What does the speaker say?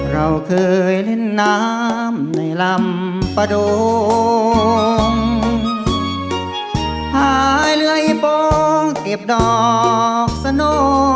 เราเคยเล่นน้ำในลำประโดงหายเลื่อยโปงเก็บดอกสโน